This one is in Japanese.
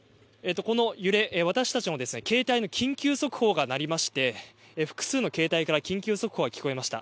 この揺れ、私たちもですね携帯の緊急速報が鳴りまして複数の携帯から緊急速報が聞こえました。